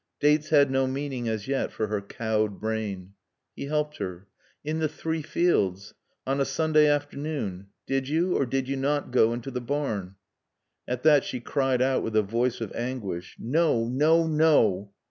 Dates had no meaning as yet for her cowed brain. He helped her. "In the Three Fields. On a Sunday afternoon. Did you or did you not go into the barn?" At that she cried out with a voice of anguish. "No No No!"